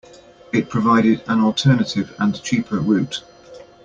It provided an alternative and cheaper route.